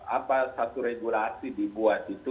apa satu regulasi dibuat itu